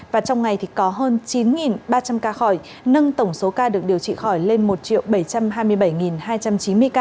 và trong ngày thì có hơn chín ba trăm linh ca khỏi nâng tổng số ca được điều trị khỏi lên một bảy trăm hai mươi bảy hai trăm chín mươi ca